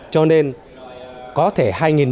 cho nên có thể